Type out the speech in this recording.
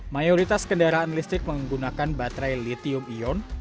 mayoritas kendaraan listrik menggunakan baterai litium ion